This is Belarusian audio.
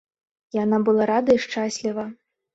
Яна была рада і шчасліва.